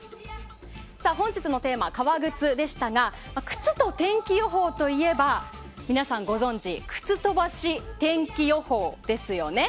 本日のテーマは革靴でしたが靴と天気予報といえば皆さんご存じ靴飛ばし天気予報ですよね。